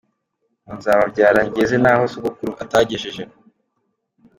Ngo nzababyara ngeze n’aho Sogokuru atagejeje.